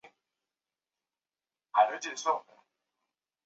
凶杀案是指涉及死体的案件。